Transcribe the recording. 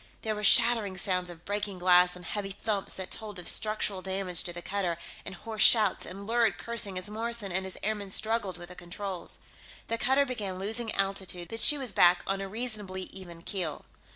There were shattering sounds of breaking glass, and heavy thumps that told of structural damage to the cutter, and hoarse shouts, and lurid cursing as Morrison and his airmen struggled with the controls. The cutter began losing altitude, but she was back on a reasonably even keel.